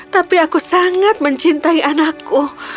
tapi aku sangat mencintai anakku